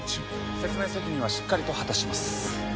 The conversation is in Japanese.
説明責任はしっかりと果たします。